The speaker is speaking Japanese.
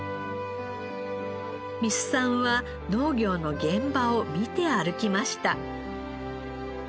三須さんは農業の現場を見て歩きました。